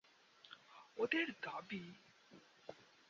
ওদের দাবি -